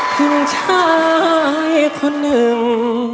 กับชายคนนึง